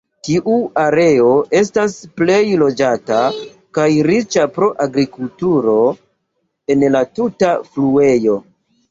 Tiu areo estas plej loĝata, kaj riĉa pro agrikulturo el la tuta fluejo.